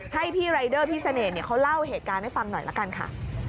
ให้พี่รายเดอร์พี่เสน่ห์เขาเล่าเหตุการณ์ให้ฟังหน่อยละกันค่ะ